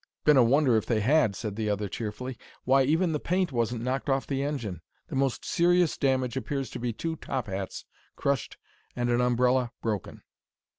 "Been a wonder if they had," said the other, cheerfully. "Why, even the paint wasn't knocked off the engine. The most serious damage appears to be two top hats crushed and an umbrella broken."